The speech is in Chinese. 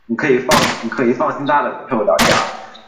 雷兰德出生于俄罗斯帝国芬兰大公国的库尔基约基的儿子。